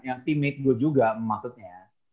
yang teammate gue juga maksudnya